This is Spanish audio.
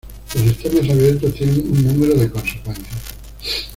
Los sistemas abiertos tienen un número de consecuencias.